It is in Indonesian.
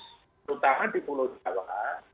terutama di pulau jawa